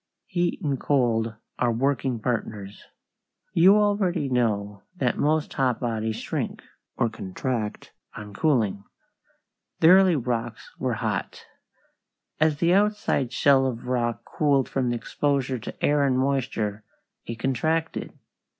Heat and cold are working partners. You already know that most hot bodies shrink, or contract, on cooling. The early rocks were hot. As the outside shell of rock cooled from exposure to air and moisture it contracted.